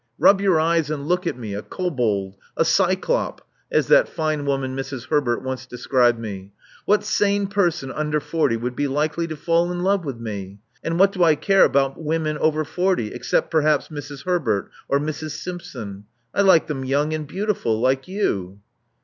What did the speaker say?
Rub your eyes and look at w 430 Love Among the Artists me, a Kobold — a Cyclop, as that fine woman Mrs. Herbert once described me. What sanfc person tinder forty would be likely to fall in love with me? And what do I care about women over forty, except perhaps Mrs. Herbert— or Mrs. Simpson? I like them young and beautiful, like you."